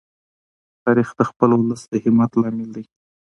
تاریخ د خپل ولس د همت لامل دی.